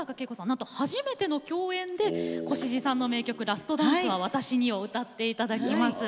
なんと初めての共演で越路さんの名曲「ラストダンスは私に」を歌って頂きます。